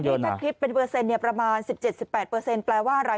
เนี่ยถ้าคลิปเป็นเปอร์เซ็นต์ประมาณ๑๗๑๘เปอร์เซ็นต์แปลว่าอะไร